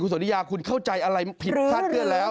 คุณสนิยาคุณเข้าใจอะไรผิดภาพเพื่อนแล้ว